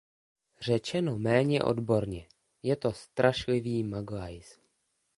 Řečeno méně odborně: Je to strašlivý maglajz.